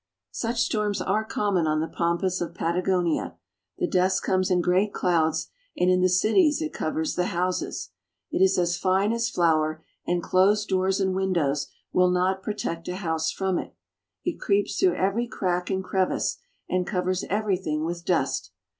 Such storms are common on the pampas of Patagonia. The dust comes in great clouds, and in the cities it covers the houses. It is as fine as flour, and closed doors and windows will not protect a house from it. It creeps through every crack and crevice, and covers everything with dust.